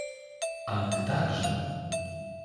— Ale ty także…